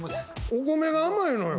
お米が甘いのよ。